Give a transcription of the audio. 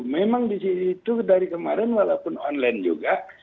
memang di situ dari kemarin walaupun online juga